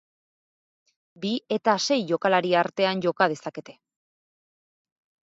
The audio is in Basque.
Bi eta sei jokalari artean joka dezakete.